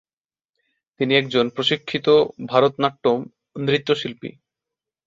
তিনি একজন প্রশিক্ষিত ভারতনাট্যম নৃত্যশিল্পী।